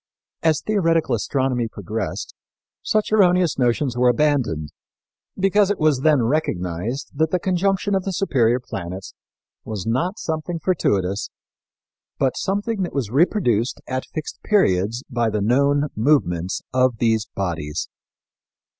As theoretical astronomy progressed, such erroneous notions were abandoned, because it was then recognized that the conjunction of the superior planets was not something fortuitous, but something that was reproduced at fixed periods by the known movements of these bodies.